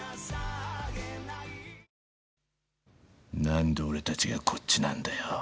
何で俺たちがこっちなんだよ。